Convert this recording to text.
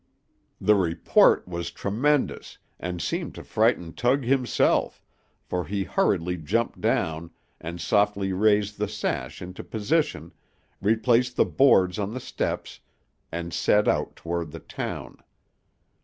The report was tremendous, and seemed to frighten Tug himself; for he hurriedly jumped down, and softly raised the sash into position, replaced the boards on the steps, and set out toward the town.